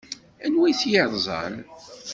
Anwa i t-yerẓan?